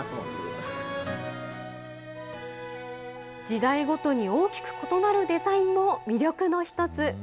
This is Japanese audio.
時代ごとに大きく異なるデザインも魅力の一つ。